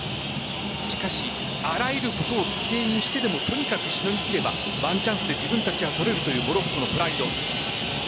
しかし、あらゆることを犠牲にしてでもとにかくしのぎ切ればワンチャンスで自分たちは取れるというモロッコのプライド。